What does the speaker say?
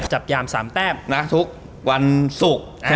จับยามสามแบบนะสุกวันสุก